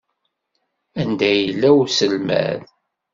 Anda yella uselmad?